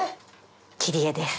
切り絵です。